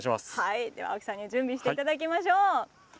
では青木さんに準備していただきましょう。